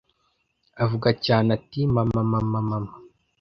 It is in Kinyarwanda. avuga cyane ati mama mama mama